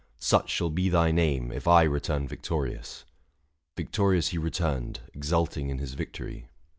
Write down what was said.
such shall be thy name If I return victorious." Victorious he Returned, exulting in his victory.